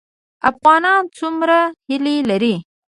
افغانان څومره هیلې لري؟